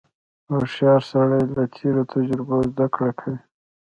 • هوښیار سړی له تېرو تجربو زدهکړه کوي.